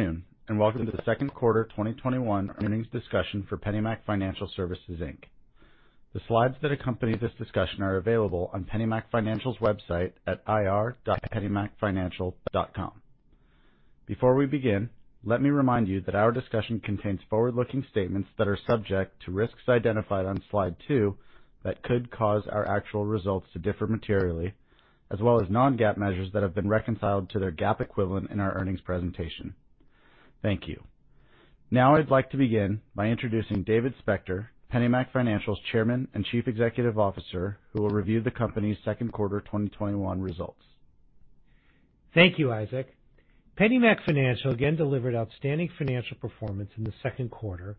Good afternoon, and welcome to the second quarter 2021 earnings discussion for PennyMac Financial Services, Inc. The slides that accompany this discussion are available on PennyMac Financial's website at ir.pennymacfinancial.com. Before we begin, let me remind you that our discussion contains forward-looking statements that are subject to risks identified on slide two that could cause our actual results to differ materially, as well as non-GAAP measures that have been reconciled to their GAAP equivalent in our earnings presentation. Thank you. I'd like to begin by introducing David Spector, PennyMac Financial's Chairman and Chief Executive Officer, who will review the company's second quarter 2021 results. Thank you, Isaac. PennyMac Financial again delivered outstanding financial performance in the second quarter,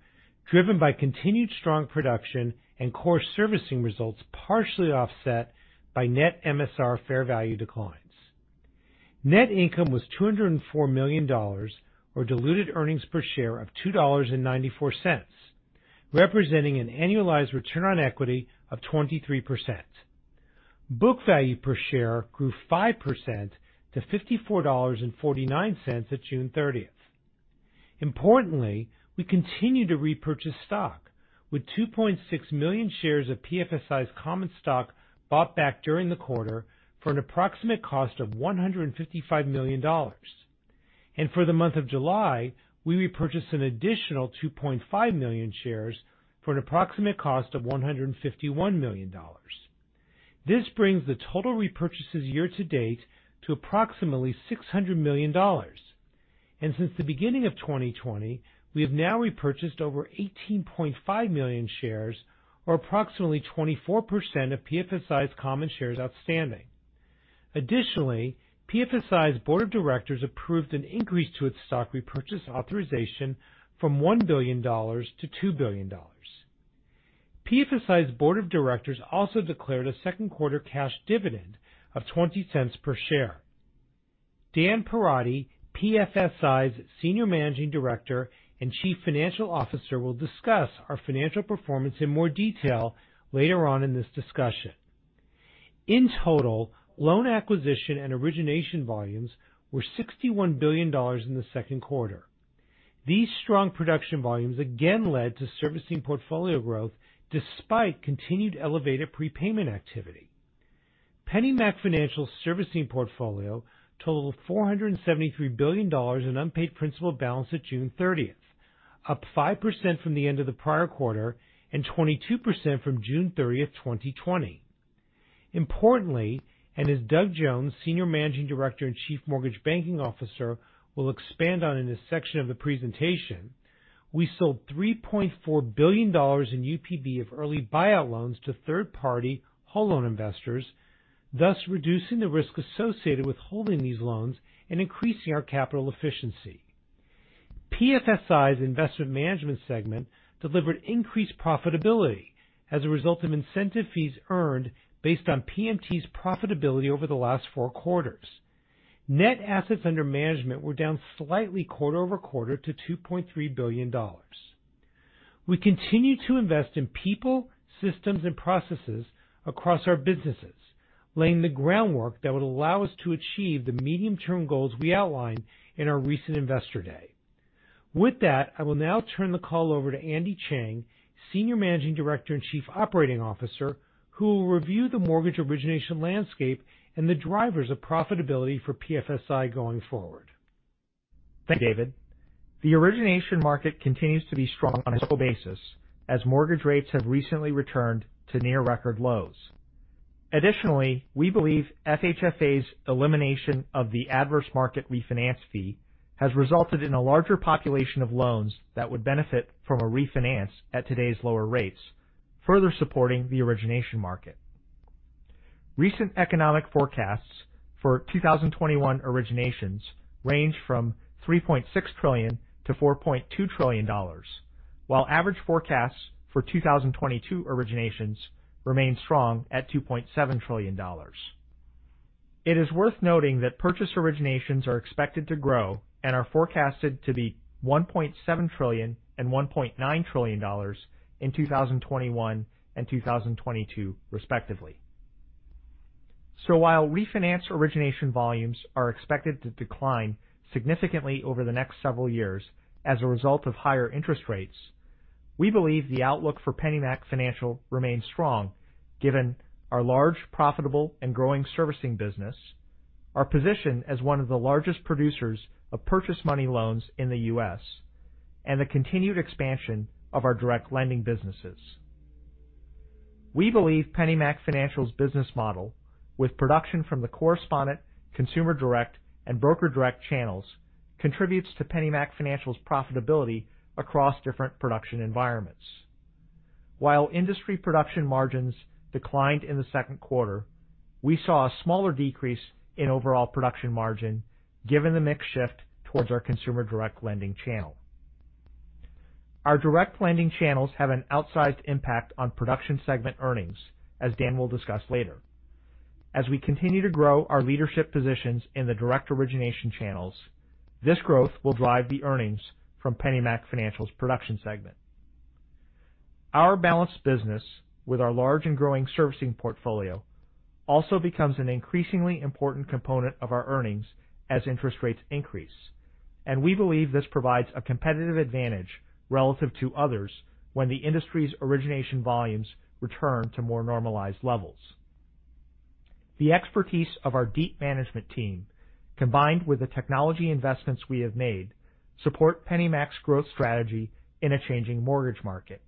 driven by continued strong production and core MSR servicing results, partially offset by net MSR fair value declines. Net income was $204 million, or diluted earnings per share of $2.94, representing an annualized return on equity of 23%. Book value per share grew 5% to $54.49 at June 30th. Importantly, we continue to repurchase stock, with 2.6 million shares of PFSI's common stock bought back during the quarter for an approximate cost of $155 million. For the month of July, we repurchased an additional 2.5 million shares for an approximate cost of $151 million. This brings the total repurchases year to date to approximately $600 million. Since the beginning of 2020, we have now repurchased over 18.5 million shares, or approximately 24% of PFSI's common shares outstanding. Additionally, PFSI's Board of Directors approved an increase to its stock repurchase authorization from $1 billion-$2 billion. PFSI's Board of Directors also declared a second quarter cash dividend of $0.20 per share. Dan Perotti, PFSI's Senior Managing Director and Chief Financial Officer, will discuss our financial performance in more detail later on in this discussion. In total, loan acquisition and origination volumes were $61 billion in the second quarter. These strong production volumes again led to servicing portfolio growth despite continued elevated prepayment activity. PennyMac Financial's servicing portfolio totaled $473 billion in unpaid principal balance at June 30th, up 5% from the end of the prior quarter and 22% from June 30th, 2020. Importantly, as Doug Jones, Senior Managing Director and Chief Mortgage Banking Officer, will expand on in this section of the presentation, we sold $3.4 billion in UPB of early buyout loans to third-party whole loan investors, thus reducing the risk associated with holding these loans and increasing our capital efficiency. PFSI's Investment Management segment delivered increased profitability as a result of incentive fees earned based on PMT's profitability over the last four quarters. Net assets under management were down slightly quarter-over-quarter to $2.3 billion. We continue to invest in people, systems, and processes across our businesses, laying the groundwork that would allow us to achieve the medium-term goals we outlined in our recent Investor Day. With that, I will now turn the call over to Andy Chang, Senior Managing Director and Chief Operating Officer, who will review the mortgage origination landscape and the drivers of profitability for PFSI going forward. Thank you, David. The origination market continues to be strong on a historical basis as mortgage rates have recently returned to near record lows. Additionally, we believe FHFA's elimination of the Adverse Market Refinance Fee has resulted in a larger population of loans that would benefit from a refinance at today's lower rates, further supporting the origination market. Recent economic forecasts for 2021 originations range from $3.6 trillion-$4.2 trillion, while average forecasts for 2022 originations remain strong at $2.7 trillion. It is worth noting that purchase originations are expected to grow and are forecasted to be $1.7 trillion and $1.9 trillion in 2021 and 2022, respectively. While refinance origination volumes are expected to decline significantly over the next several years as a result of higher interest rates, we believe the outlook for PennyMac Financial remains strong given our large, profitable, and growing servicing business, our position as one of the largest producers of purchase money loans in the U.S., and the continued expansion of our direct lending businesses. We believe PennyMac Financial's business model, with production from the Correspondent, Consumer Direct, and Broker Direct channels, contributes to PennyMac Financial's profitability across different production environments. While industry production margins declined in the 2nd quarter, we saw a smaller decrease in overall production margin given the mix shift towards our Consumer Direct lending channel. Our direct lending channels have an outsized impact on Production segment earnings, as Dan will discuss later. As we continue to grow our leadership positions in the direct origination channels, this growth will drive the earnings from PennyMac Financial's Production segment. Our balanced business with our large and growing servicing portfolio also becomes an increasingly important component of our earnings as interest rates increase, and we believe this provides a competitive advantage relative to others when the industry's origination volumes return to more normalized levels. The expertise of our deep management team, combined with the technology investments we have made, support PennyMac's growth strategy in a changing mortgage market.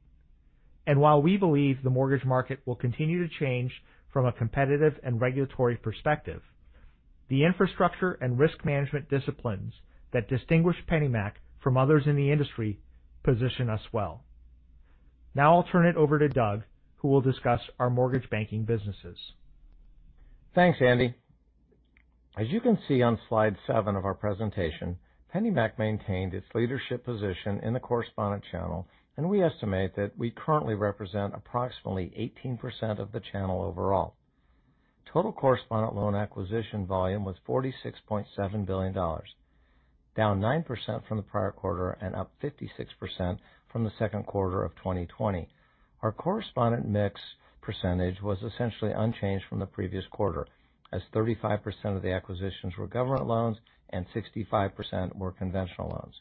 While we believe the mortgage market will continue to change from a competitive and regulatory perspective, the infrastructure and risk management disciplines that distinguish PennyMac from others in the industry position us well. Now I'll turn it over to Doug, who will discuss our mortgage banking businesses. Thanks, Andy. As you can see on slide seven of our presentation, PennyMac maintained its leadership position in the correspondent channel, and we estimate that we currently represent approximately 18% of the channel overall. Total correspondent loan acquisition volume was $46.7 billion, down 9% from the prior quarter and up 56% from the second quarter of 2020. Our correspondent mix percentage was essentially unchanged from the previous quarter as 35% of the acquisitions were government loans and 65% were conventional loans.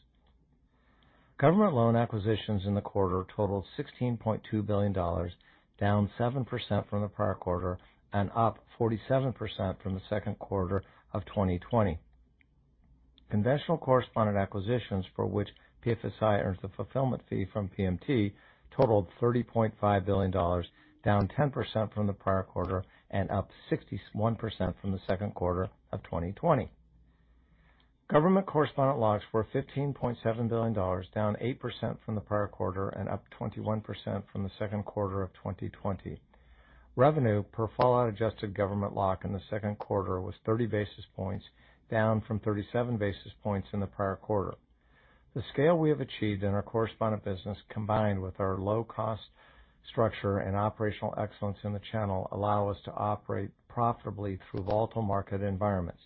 Government loan acquisitions in the quarter totaled $16.2 billion, down 7% from the prior quarter and up 47% from the second quarter of 2020. Conventional correspondent acquisitions for which PFSI earns the fulfillment fee from PMT totaled $30.5 billion, down 10% from the prior quarter and up 61% from the second quarter of 2020. Government correspondent locks were $15.7 billion, down 8% from the prior quarter and up 21% from the second quarter of 2020. Revenue per fallout adjusted government lock in the second quarter was 30 basis points, down from 37 basis points in the prior quarter. The scale we have achieved in our correspondent business, combined with our low-cost structure and operational excellence in the channel, allow us to operate profitably through volatile market environments.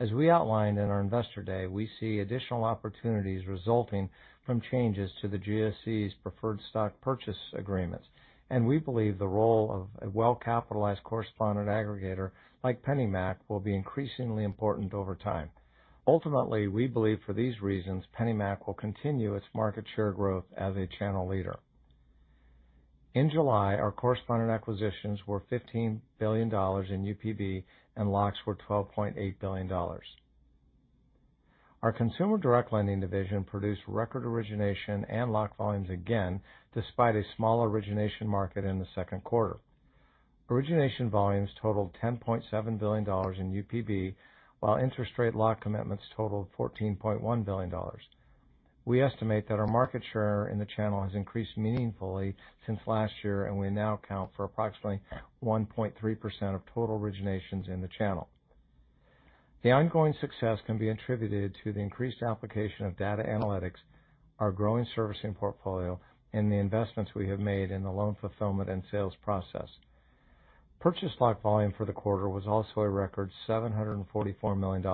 As we outlined in our Investor Day, we see additional opportunities resulting from changes to the GSE's Preferred Stock Purchase Agreements, and we believe the role of a well-capitalized correspondent aggregator like PennyMac will be increasingly important over time. Ultimately, we believe for these reasons, PennyMac will continue its market share growth as a channel leader. In July, our correspondent acquisitions were $15 billion in UPB and locks were $12.8 billion. Our consumer direct lending division produced record origination and lock volumes again despite a small origination market in the second quarter. Origination volumes totaled $10.7 billion in UPB while interest rate lock commitments totaled $14.1 billion. We estimate that our market share in the channel has increased meaningfully since last year, and we now account for approximately 1.3% of total originations in the channel. The ongoing success can be attributed to the increased application of data analytics, our growing servicing portfolio, and the investments we have made in the loan fulfillment and sales process. Purchase lock volume for the quarter was also a record $744 million,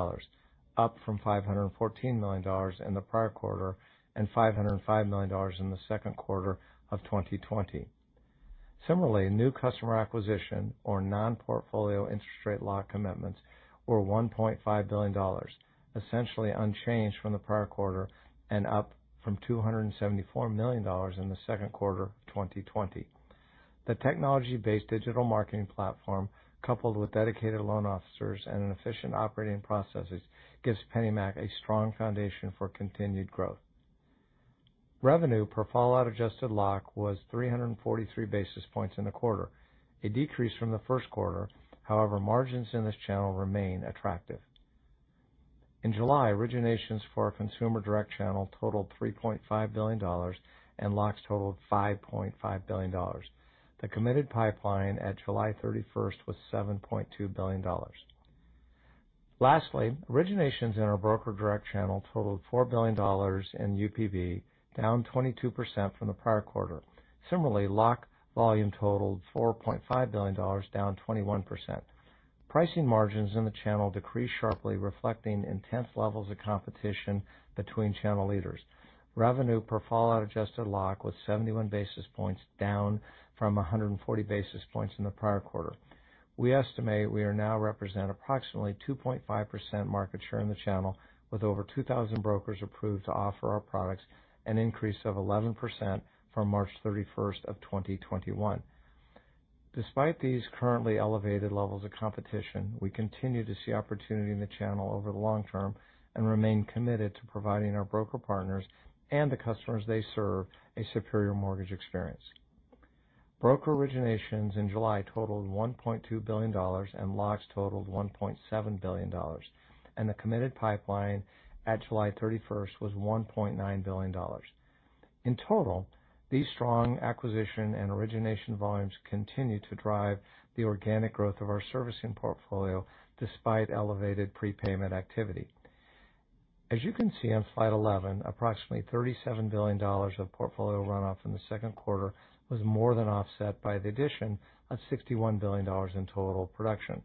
up from $514 million in the prior quarter and $505 million in the second quarter of 2020. New customer acquisition or non-portfolio interest rate lock commitments were $1.5 billion, essentially unchanged from the prior quarter and up from $274 million in the second quarter of 2020. The technology-based digital marketing platform, coupled with dedicated loan officers and efficient operating processes, gives PennyMac a strong foundation for continued growth. Revenue per fallout adjusted lock was 343 basis points in the quarter, a decrease from the first quarter. Margins in this channel remain attractive. In July, originations for our consumer direct channel totaled $3.5 billion and locks totaled $5.5 billion. The committed pipeline at July 31st was $7.2 billion. Originations in our broker direct channel totaled $4 billion in UPB, down 22% from the prior quarter. Lock volume totaled $4.5 billion, down 21%. Pricing margins in the channel decreased sharply, reflecting intense levels of competition between channel leaders. Revenue per fallout adjusted lock was 71 basis points, down from 140 basis points in the prior quarter. We estimate we are now represent approximately 2.5% market share in the channel with over 2,000 brokers approved to offer our products, an increase of 11% from March 31st of 2021. Despite these currently elevated levels of competition, we continue to see opportunity in the channel over the long term and remain committed to providing our broker partners and the customers they serve a superior mortgage experience. Broker originations in July totaled $1.2 billion and locks totaled $1.7 billion, and the committed pipeline at July 31st was $1.9 billion. In total, these strong acquisition and origination volumes continue to drive the organic growth of our servicing portfolio despite elevated prepayment activity. As you can see on slide 11, approximately $37 billion of portfolio runoff in the second quarter was more than offset by the addition of $61 billion in total production.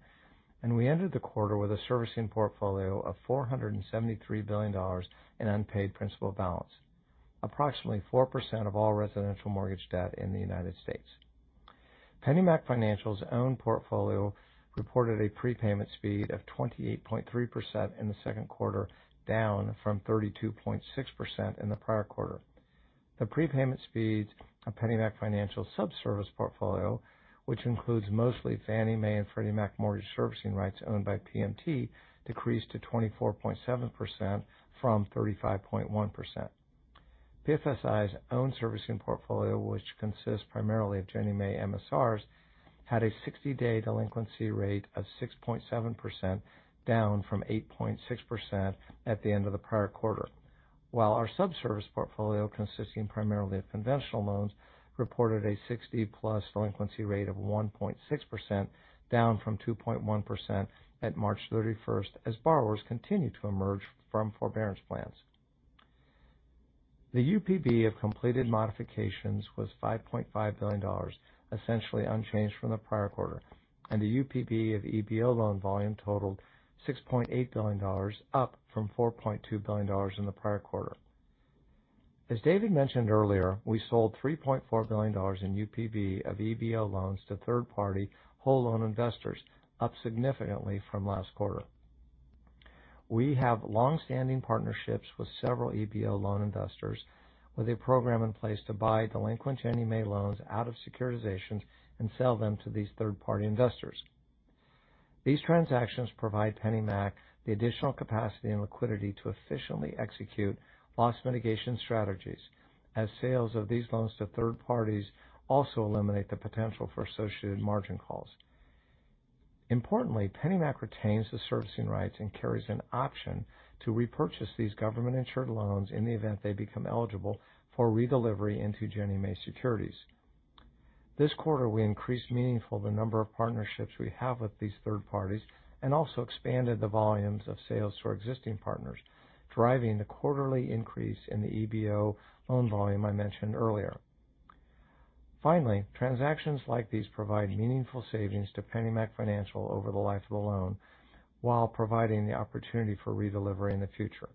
We ended the quarter with a servicing portfolio of $473 billion in unpaid principal balance, approximately 4% of all residential mortgage debt in the U.S. PennyMac Financial's own portfolio reported a prepayment speed of 28.3% in the second quarter, down from 32.6% in the prior quarter. The prepayment speed of PennyMac Financial subservice portfolio, which includes mostly Fannie Mae and Freddie Mac mortgage servicing rights owned by PMT, decreased to 24.7% from 35.1%. PFSI's own servicing portfolio, which consists primarily of Ginnie Mae MSRs, had a 60-day delinquency rate of 6.7%, down from 8.6% at the end of the prior quarter. While our subservice portfolio, consisting primarily of conventional loans, reported a 60-plus delinquency rate of 1.6%, down from 2.1% at March 31st, as borrowers continue to emerge from forbearance plans. The UPB of completed modifications was $5.5 billion, essentially unchanged from the prior quarter, and the UPB of EBO loan volume totaled $6.8 billion, up from $4.2 billion in the prior quarter. As David mentioned earlier, we sold $3.4 billion in UPB of EBO loans to third-party whole loan investors, up significantly from last quarter. We have longstanding partnerships with several EBO loan investors, with a program in place to buy delinquent Ginnie Mae loans out of securitizations and sell them to these third-party investors. These transactions provide PennyMac the additional capacity and liquidity to efficiently execute loss mitigation strategies, as sales of these loans to third parties also eliminate the potential for associated margin calls. Importantly, PennyMac retains the servicing rights and carries an option to repurchase these government-insured loans in the event they become eligible for redelivery into Ginnie Mae securities. This quarter, we increased meaningful the number of partnerships we have with these third parties and also expanded the volumes of sales to our existing partners, driving the quarterly increase in the EBO loan volume I mentioned earlier. Transactions like these provide meaningful savings to PennyMac Financial over the life of the loan while providing the opportunity for redelivery in the future.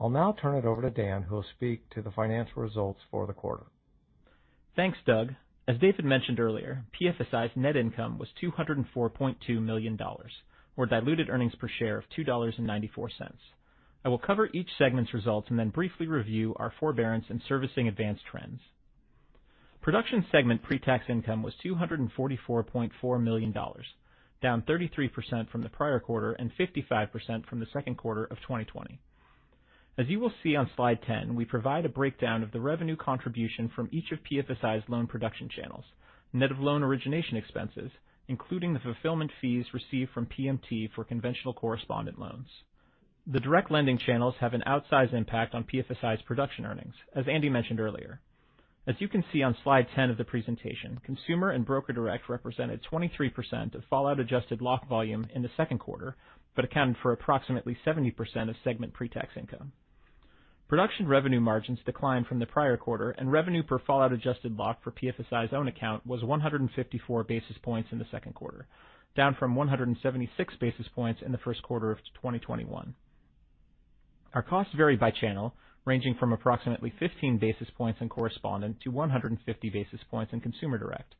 I'll now turn it over to Dan, who will speak to the financial results for the quarter. Thanks, Doug. As David mentioned earlier, PFSI's net income was $204.2 million, or diluted earnings per share of $2.94. I will cover each segment's results and then briefly review our forbearance and servicing advance trends. Production segment pre-tax income was $244.4 million, down 33% from the prior quarter and 55% from the second quarter of 2020. As you will see on slide 10, we provide a breakdown of the revenue contribution from each of PFSI's loan production channels, net of loan origination expenses, including the fulfillment fees received from PMT for conventional correspondent loans. The direct lending channels have an outsized impact on PFSI's production earnings, as Andy mentioned earlier. As you can see on slide 10 of the presentation, consumer and broker direct represented 23% of fallout adjusted lock volume in the second quarter, but accounted for approximately 70% of segment pre-tax income. Production revenue margins declined from the prior quarter. Revenue per fallout adjusted lock for PFSI's own account was 154 basis points in the second quarter, down from 176 basis points in the first quarter of 2021. Our costs vary by channel, ranging from approximately 15 basis points in correspondent to 150 basis points in consumer direct.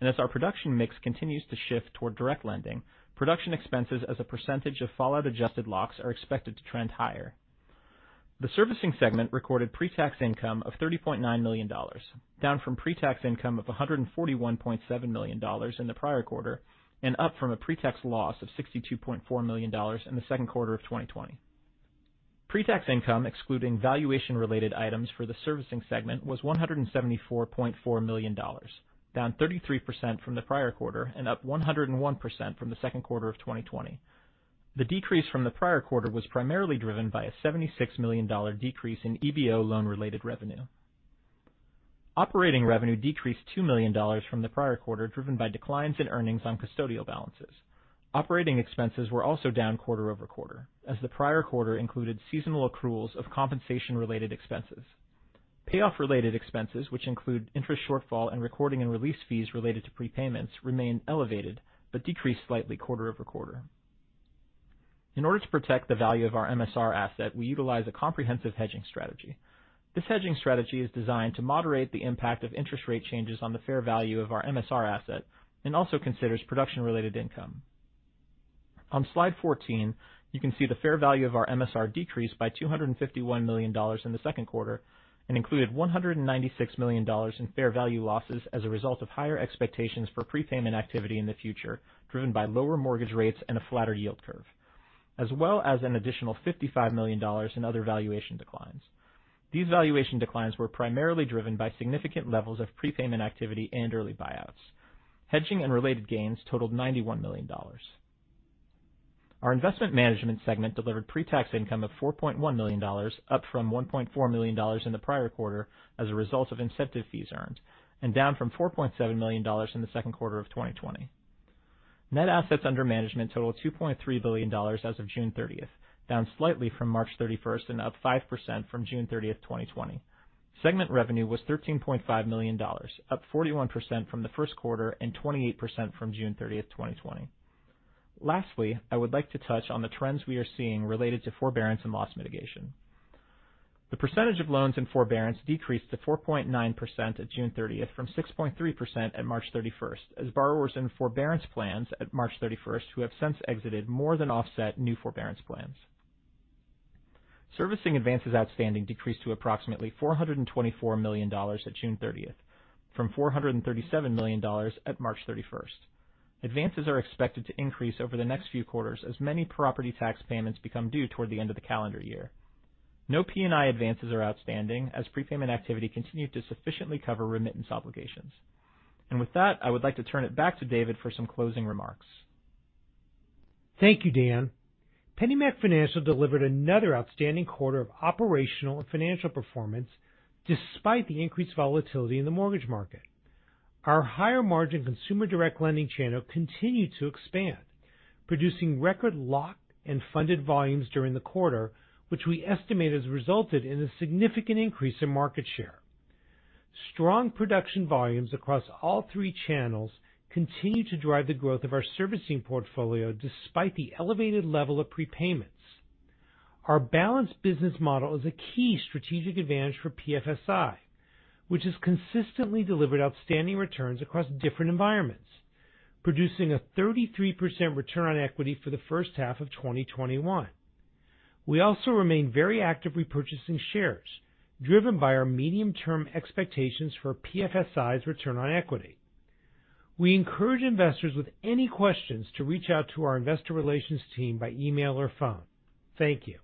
As our production mix continues to shift toward direct lending, production expenses as a percentage of fallout adjusted locks are expected to trend higher. The Servicing segment recorded pre-tax income of $30.9 million, down from pre-tax income of $141.7 million in the prior quarter and up from a pre-tax loss of $62.4 million in the second quarter of 2020. Pre-tax income, excluding valuation-related items for the Servicing segment, was $174.4 million, down 33% from the prior quarter and up 101% from the second quarter of 2020. The decrease from the prior quarter was primarily driven by a $76 million decrease in EBO loan-related revenue. Operating revenue decreased $2 million from the prior quarter, driven by declines in earnings on custodial balances. Operating expenses were also down quarter-over-quarter, as the prior quarter included seasonal accruals of compensation-related expenses. Payoff-related expenses, which include interest shortfall and recording and release fees related to prepayments, remained elevated but decreased slightly quarter-over-quarter. In order to protect the value of our MSR asset, we utilize a comprehensive hedging strategy. This hedging strategy is designed to moderate the impact of interest rate changes on the fair value of our MSR asset and also considers production-related income. On slide 14, you can see the fair value of our MSR decreased by $251 million in the second quarter and included $196 million in fair value losses as a result of higher expectations for prepayment activity in the future, driven by lower mortgage rates and a flatter yield curve, as well as an additional $55 million in other valuation declines. These valuation declines were primarily driven by significant levels of prepayment activity and early buyouts. Hedging and related gains totaled $91 million. Our Investment Management segment delivered pre-tax income of $4.1 million, up from $1.4 million in the prior quarter as a result of incentive fees earned, and down from $4.7 million in the second quarter of 2020. Net assets under management totaled $2.3 billion as of June 30th, down slightly from March 31st and up 5% from June 30th, 2020. Segment revenue was $13.5 million, up 41% from the first quarter and 28% from June 30th, 2020. Lastly, I would like to touch on the trends we are seeing related to forbearance and loss mitigation. The percentage of loans in forbearance decreased to 4.9% at June 30th from 6.3% at March 31st, as borrowers in forbearance plans at March 31st who have since exited more than offset new forbearance plans. Servicing advances outstanding decreased to approximately $424 million at June 30th from $437 million at March 31st. Advances are expected to increase over the next few quarters as many property tax payments become due toward the end of the calendar year. No P&I advances are outstanding, as prepayment activity continued to sufficiently cover remittance obligations. With that, I would like to turn it back to David for some closing remarks. Thank you, Dan. PennyMac Financial delivered another outstanding quarter of operational and financial performance despite the increased volatility in the mortgage market. Our higher-margin consumer direct lending channel continued to expand, producing record lock and funded volumes during the quarter, which we estimate has resulted in a significant increase in market share. Strong production volumes across all three channels continue to drive the growth of our servicing portfolio despite the elevated level of prepayments. Our balanced business model is a key strategic advantage for PFSI, which has consistently delivered outstanding returns across different environments, producing a 33% return on equity for the first half of 2021. We also remain very active repurchasing shares, driven by our medium-term expectations for PFSI's return on equity. We encourage investors with any questions to reach out to our Investor Relations team by email or phone. Thank you.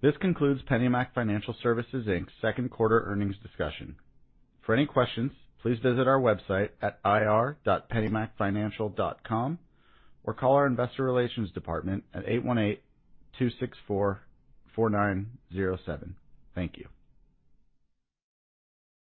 This concludes PennyMac Financial Services Inc.'s second quarter earnings discussion. For any questions, please visit our website at ir.pennymacfinancial.com or call our Investor Relations department at 818-264-4907. Thank you.